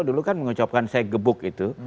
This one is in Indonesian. dulu kan mengucapkan saya gebuk itu